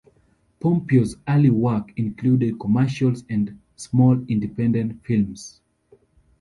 Pompeo's early work included commercials and small independent films.